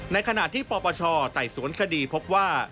ในขณะที่ปปชไต่สวนคดีพบว่า